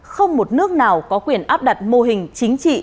không một nước nào có quyền áp đặt mô hình chính trị